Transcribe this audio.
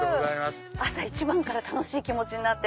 朝一番から楽しい気持ちになって。